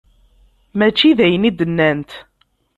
Mačči d ayen i d-nnant.